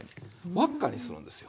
輪っかにするんですよ。